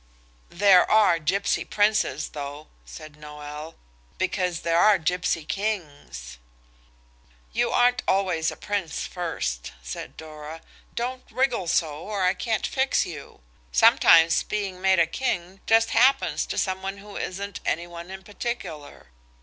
"There are gipsy princes, though," said Noël, "because there are gipsy kings." "You aren't always a prince first," said Dora; "don't wriggle so or I can't fix you. Sometimes being made a king just happens to some one who isn't any one in particular."